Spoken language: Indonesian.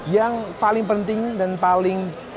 yang paling penting dan paling